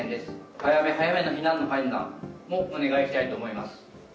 早め早めの避難の判断もお願いしたいと思います。